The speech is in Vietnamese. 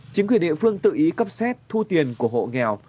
chính quyền địa phương tự ý cấp xét thu tiền của hộ nghèo